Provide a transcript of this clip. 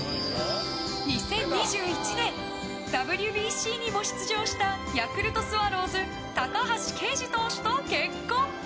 ２０２１年、ＷＢＣにも出場したヤクルトスワローズ高橋奎二投手と結婚。